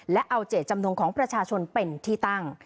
และเอาเจตจำนงของประชาชนเป็นที่ตั้ง